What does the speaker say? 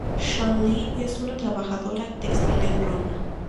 Shun Li es una trabajadora textil en Roma.